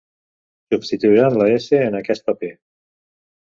Substituiran la s en aquest paper.